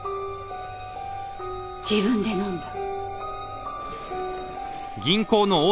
自分で飲んだ。